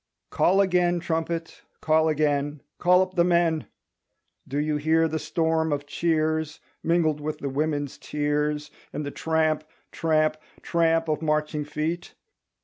Call again, trumpet, call again, Call up the men! Do you hear the storm of cheers Mingled with the women's tears And the tramp, tramp, tramp of marching feet?